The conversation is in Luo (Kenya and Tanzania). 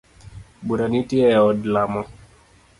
Bura nitie e od lamo.